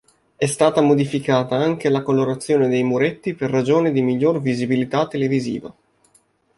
È stata modificata anche la colorazione dei muretti per ragioni di miglior visibilità televisiva.